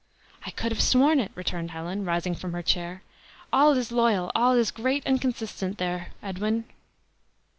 "I could have sworn it!" returned Helen, rising from her chair; "all is loyal, all is great and consistent there, Edwin!"